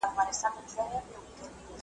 خو بلوړ که مات سي ډیري یې ټوټې وي .